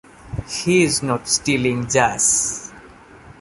He's not stealing jazz.